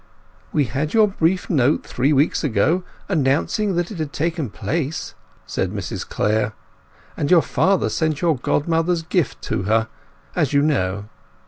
"We had your brief note three weeks ago announcing that it had taken place," said Mrs Clare, "and your father sent your godmother's gift to her, as you know.